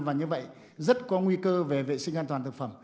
và như vậy rất có nguy cơ về vệ sinh an toàn thực phẩm